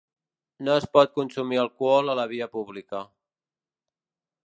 No es pot consumir alcohol a la via pública.